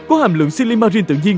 có hàm lượng silimarin tự nhiên